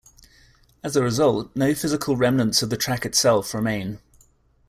As a result, no physical remnants of the track itself remain.